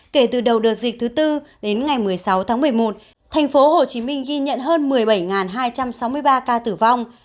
kể từ đầu đợt dịch thứ bốn đến ngày một mươi sáu tháng một mươi một tp hcm ghi nhận hơn một mươi bảy hai trăm sáu mươi ba ca tử vong